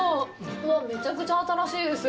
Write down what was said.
うわっ、めちゃくちゃ新しいです。